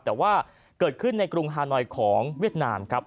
แต่ว่าเกิดขึ้นในกรุงฮานอยของเวียดนามครับ